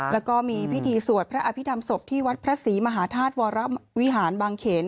แล้วก็มีพิธีสวดพระอภิษฐรรมศพที่วัดพระศรีมหาธาตุวรวิหารบางเขน